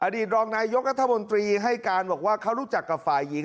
ตรองนายกรัฐมนตรีให้การบอกว่าเขารู้จักกับฝ่ายหญิง